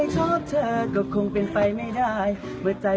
ความสุขเล็กน้อยไป